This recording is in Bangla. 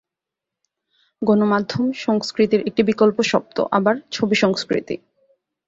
গণমাধ্যম সংস্কৃতির একটি বিকল্প শব্দ আবার "ছবি সংস্কৃতি"।